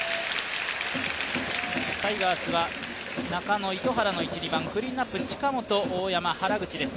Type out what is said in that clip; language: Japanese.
タイガースは中野、糸原の１番、２番、クリーンナップに近本、大山、原口です。